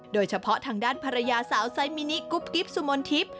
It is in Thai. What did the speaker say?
โดยเฉพาะทางด้านภรรยาสาวไซมินิกุ๊บกิ๊บสุมนทิพย์